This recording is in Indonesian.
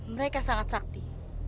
mereka sangat sakti